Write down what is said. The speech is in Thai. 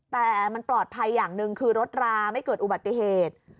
แต่มันปลอดภัยอย่างหนึ่งคือรถราไม่เกิดอุบัติเหตุ